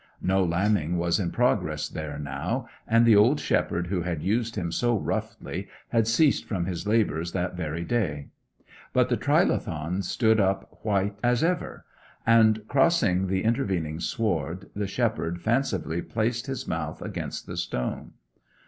No lambing was in progress there now, and the old shepherd who had used him so roughly had ceased from his labours that very day. But the trilithon stood up white as ever; and, crossing the intervening sward, the steward fancifully placed his mouth against the stone.